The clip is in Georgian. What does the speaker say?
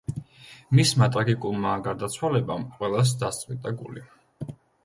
მისმა ტრაგიკულმა გარდაცვალებამ ყველას დასწყვიტა გული.